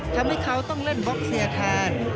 ทำให้เขาต้องเล่นบล็อกเซียคาน